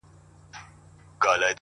حوصله د لویو لاسته راوړنو شرط دی